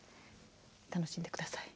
楽しんで下さい。